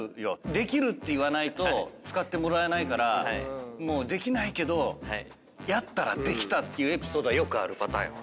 できるって言わないと使ってもらえないからできないけどやったらできたっていうエピソードはよくあるパターンやわ。